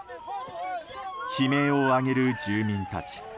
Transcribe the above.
悲鳴を上げる住民たち。